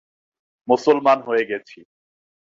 মুসলমান হয়ে গেছি।